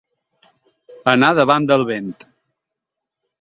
Anar davant del vent.